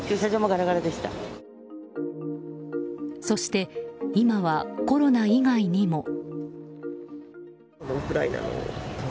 そして今はコロナ以外にも。